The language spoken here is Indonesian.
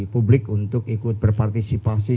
publik untuk ikut berpartisipasi